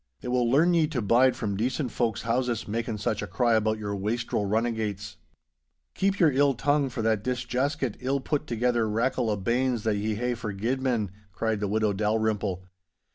It will learn ye to bide from decent folk's houses, making such a cry about your wastrel runnagates.' 'Keep your ill tongue for that disjaskit, ill put thegither rachle o' banes that ye hae for guidman,' cried the widow Dalrymple.